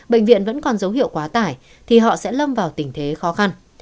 bệnh viện vẫn còn dấu hiệu quá tải thì họ sẽ lâm vào tình thế khó khăn